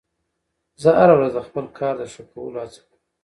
زه هره ورځ د خپل کار د ښه کولو هڅه کوم